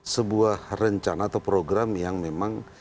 sebuah rencana atau program yang memang